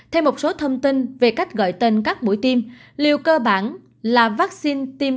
thêm một số thông tin về cách gọi tên các mũi tiêm liều cơ bản là vaccine tiêm